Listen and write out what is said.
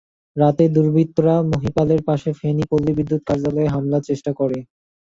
রাতে দুর্বৃত্তরা মহিপালের পাশে ফেনী পল্লী বিদ্যুৎ কার্যালয়ে হামলার চেষ্টা করে।